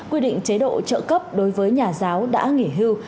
quy định chế độ trợ cấp đối với nhà giáo đã nghỉ hưu